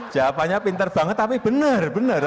jawabannya pinter banget tapi benar benar